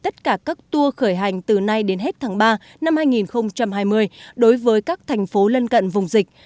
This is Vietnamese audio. tour khởi hành từ nay đến hết tháng ba năm hai nghìn hai mươi đối với các thành phố lân cận vùng dịch